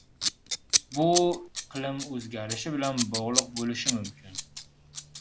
Bu iqlim o‘zgarishi bilan bog‘liq bo‘lishi mumkin